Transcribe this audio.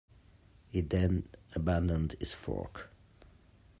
He then abandoned his fork.